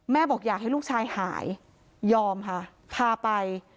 บอกอยากให้ลูกชายหายยอมค่ะพาไป